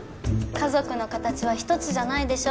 家族の形は一つじゃないでしょ